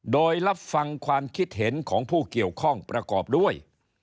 โดยรับฟังความคิดเห็นของผู้เกี่ยวข้องประกอบด้วย